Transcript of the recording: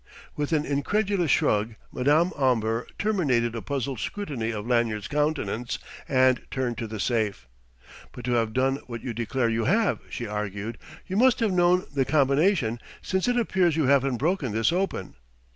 With an incredulous shrug Madame Omber terminated a puzzled scrutiny of Lanyard's countenance, and turned to the safe. "But to have done what you declare you have," she argued, "you must have known the combination since it appears you haven't broken this open."